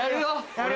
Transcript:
あれ。